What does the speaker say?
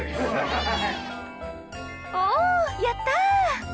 おやった！